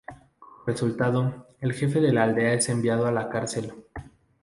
Como resultado, el jefe de la aldea es enviado a la cárcel.